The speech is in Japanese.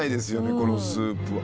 このスープは。